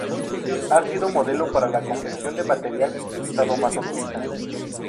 Ha sido modelo para la confección de material sadomasoquista.